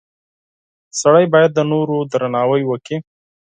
• سړی باید د نورو درناوی وکړي.